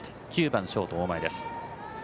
９番ショート、大前です。